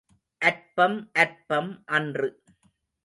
அற்பம் அற்பம் அன்று.